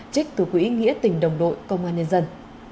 trích từ quỹ nghĩa tình đồng đội công an nhân dân